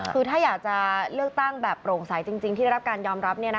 คือถ้าอยากจะเลือกตั้งแบบโปร่งใสจริงที่ได้รับการยอมรับ